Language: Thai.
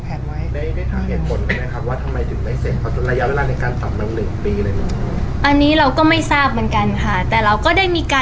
ได้ได้ถามเหตุผลไหมครับว่าทำไมถึงไม่เสี่ยงเขา